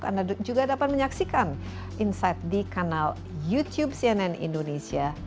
anda juga dapat menyaksikan insight di kanal youtube cnn indonesia